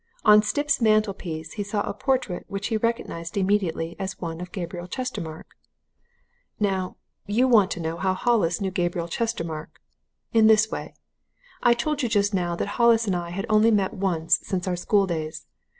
On Stipp's mantelpiece he saw a portrait which he recognized immediately as one of Gabriel Chestermarke. "Now, you want to know how Hollis knew Gabriel Chestermarke. In this way: I told you just now that Hollis and I had only met once since our school days.